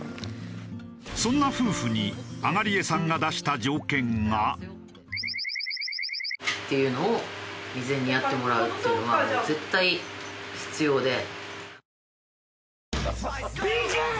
そんな夫婦に東江さんが出した条件が。っていうのを未然にやってもらうっていうのはもう絶対必要で。